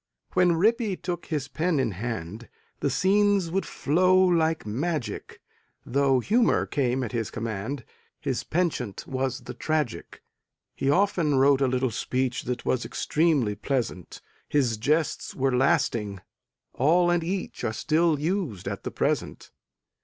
When Rippy took his pen in hand The scenes would flow like magic; Though humor came at his command His penchant was the tragic; He often wrote a little speech That was extremely pleasant His jests were lasting all and each Are still used at the present.